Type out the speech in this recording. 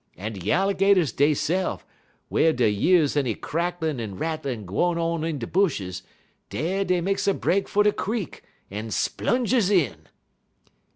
En de Yallergaters deyse'f, w'en dey years any crackin' en rattlin' gwine on in de bushes, dey des makes a break fer de creek en splunges in."